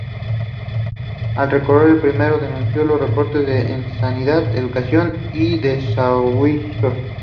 Al recoger el premio denunció los recortes en sanidad, educación y los desahucios.